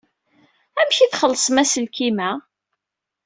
Amek ay txellṣem aselkim-a?